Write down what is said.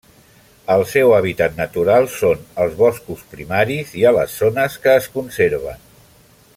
El seu hàbitat natural són els boscos primaris i a les zones que es conserven.